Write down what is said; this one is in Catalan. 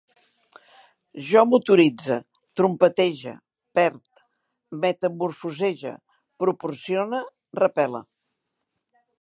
Jo motoritze, trompetege, perd, metamorfosege, proporcione, repele